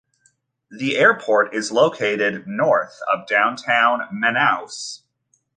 The airport is located north of downtown Manaus.